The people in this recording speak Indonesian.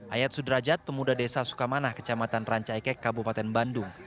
ayat sudrajat pemuda desa sukamanah kecamatan rancaikek kabupaten bandung